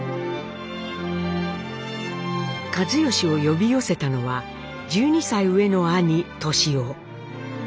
一嚴を呼び寄せたのは１２歳上の兄歳雄。